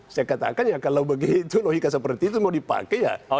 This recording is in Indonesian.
saya katakan ya kalau begitu logika seperti itu mau dipakai ya